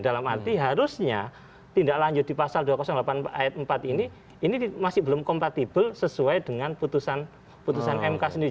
dalam arti harusnya tindak lanjut di pasal dua ratus delapan ayat empat ini ini masih belum kompatibel sesuai dengan putusan putusan mk sendiri